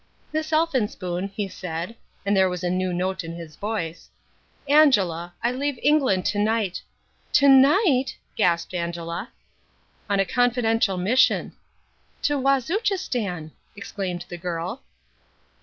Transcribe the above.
_" "Miss Elphinspoon," he said, and there was a new note in his voice, "Angela, I leave England to night " "To night!" gasped Angela. "On a confidential mission." "To Wazuchistan!" exclaimed the girl.